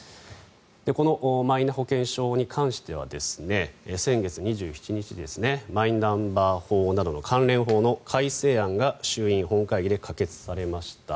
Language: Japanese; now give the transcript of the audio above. このマイナ保険証に関しては先月２７日マイナンバー法などの関連法の改正案が衆院本会議で可決されました。